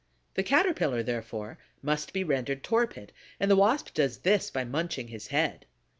The Caterpillar, therefore, must be rendered torpid, and the Wasp does this by munching his head.